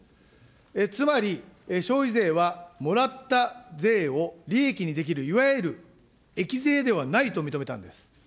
つまり、消費税はもらった税を利益にできる、いわゆる益税ではないと認めたんです。